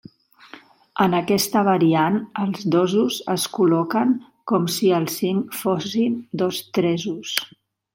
En aquesta variant els dosos es col·loquen com si el cinc fossin dos tresos.